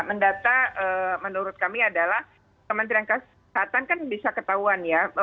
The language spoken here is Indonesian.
mendata menurut kami adalah kementerian kesehatan kan bisa ketahuan ya